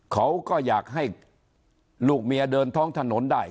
เขาก็อยากให้ลูกเมียเดินท้องถนนได้